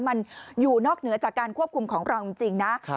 มันอยู่นอกเหนือจากการควบคุมของเราจริงนะ